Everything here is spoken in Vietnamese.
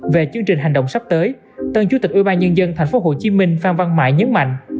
về chương trình hành động sắp tới tân chủ tịch ubnd tp hcm phan văn mãi nhấn mạnh